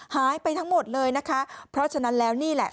หายไปทั้งหมดเลยนะคะเพราะฉะนั้นแล้วนี่แหละ